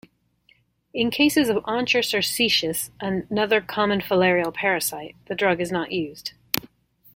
In cases of onchocerciasis, another common filarial parasite, the drug is not used.